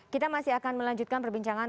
kita masih akan melanjutkan perbincangan